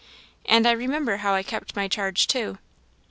And I remember how I kept my charge, too.